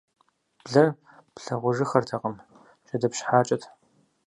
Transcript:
Блэр плъагъужыххэртэкъым - жьэдэпщхьакӀэт.